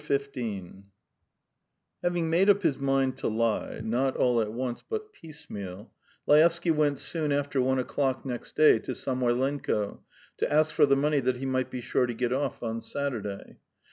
XV Having made up his mind to lie, not all at once but piecemeal, Laevsky went soon after one o'clock next day to Samoylenko to ask for the money that he might be sure to get off on Saturday.